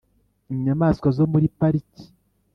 inyamaswa zo muri pariki